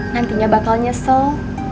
nantinya bakal nyesel